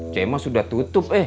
ciemas sudah tutup eh